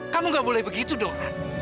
kamu gak boleh begitu dong an